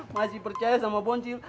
masih percaya sama boncil